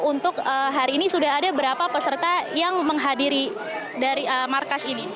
untuk hari ini sudah ada berapa peserta yang menghadiri dari markas ini